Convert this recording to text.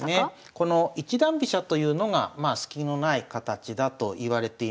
この一段飛車というのがスキのない形だといわれています。